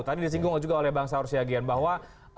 tadi disinggung juga oleh bang saur syagian bahwa